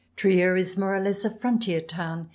Trier is more or less a frontier town.